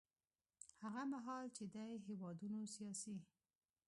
هغه مهال چې دې هېوادونو سیاسي